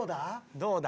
どうだ？